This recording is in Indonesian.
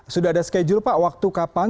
sudah ada schedule pak waktu kapan